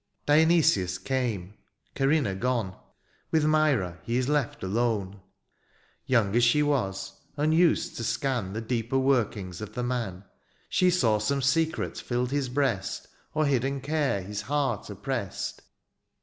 Dionysius came— Corinna gone. With Myra he is left alone ; Young as she was, unused to scan The deeper workings of the man. She saw some secret filled his breast Or hidden care his heart oppressed.